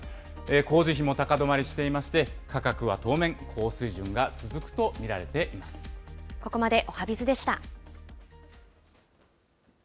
工事費も高止まりしていまして、価格は当面、高水準が続くと見らここまでおはＢｉｚでした。